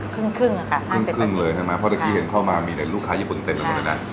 ครึ่งครึ่งอ่ะค่ะครึ่งครึ่งเลยใช่ไหมครับเพราะเมื่อกี้เห็นเข้ามามีในลูกค้าญี่ปุ่นเต็มมากนะใช่